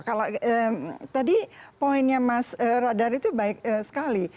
kalau tadi poinnya mas radar itu baik sekali